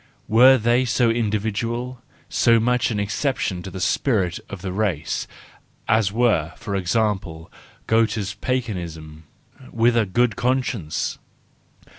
Were they so individual, so much an exception to the spirit of the race, as was, for example, Goethe's Paganism with a good con¬ science